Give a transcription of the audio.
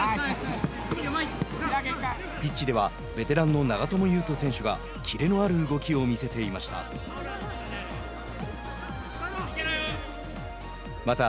ピッチではベテランの長友佑都選手がキレのある動きを見せていました。